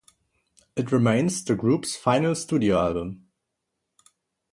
It remains the group's final studio album.